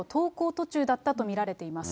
途中だったと見られています。